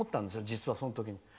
実は、その時に。